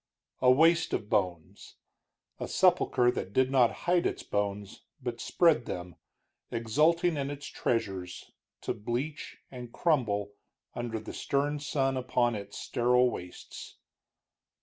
A waste of bones, a sepulcher that did not hide its bones, but spread them, exulting in its treasures, to bleach and crumble under the stern sun upon its sterile wastes.